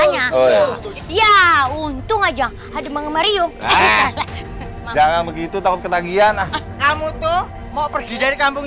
ya untung aja ada mengemar yuk jangan begitu takut ketagihan ah kamu tuh mau pergi dari kampung